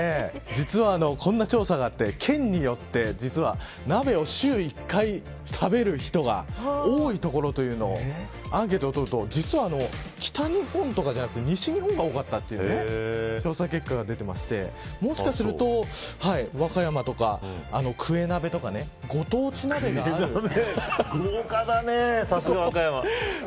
実はこんな調査があって県によって鍋を週１回食べる人が多い所というのをアンケートを取ると実は北日本とかじゃなくて西日本が多かったという調査結果が出ていましてもしかすると和歌山とかクエ鍋とか豪華だね、さすが和歌山。